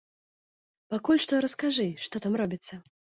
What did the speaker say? Пакуль што раскажы, што там робіцца.